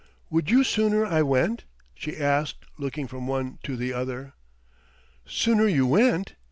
"Would you sooner I went?" she asked, looking from one to the other. "Sooner you went?"